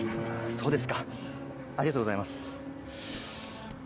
そうですかありがとうございます。